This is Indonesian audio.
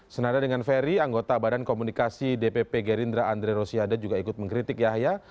senada dengan ferry anggota badan komunikasi dpp gerindra andre rosiade juga ikut mengkritik yahya